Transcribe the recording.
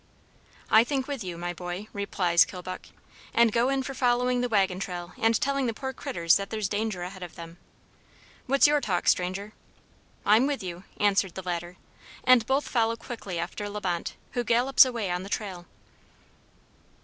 "I think with you, my boy," replies Kilbuck, "and go in for following the wagon trail and telling the poor critters that there's danger ahead of them." "What's your talk, stranger?" "I'm with you," answered the latter; and both follow quickly after La Bonte, who gallops away on the trail.